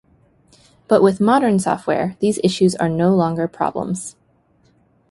But with modern software, these issues are no longer problems.